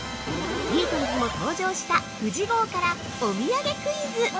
ビートルズも搭乗したＦＵＪＩ号から、お土産クイズ。